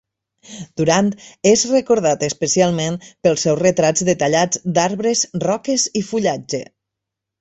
Durand és recordat especialment pels seus retrats detallats d'arbres, roques i fullatge.